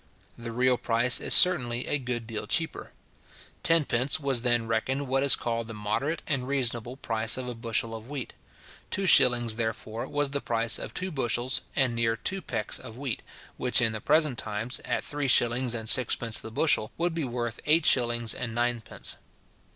The real price is certainly a good deal cheaper. Tenpence was then reckoned what is called the moderate and reasonable price of a bushel of wheat. Two shillings, therefore, was the price of two bushels and near two pecks of wheat, which in the present times, at three shillings and sixpence the bushel, would be worth eight shillings and ninepence.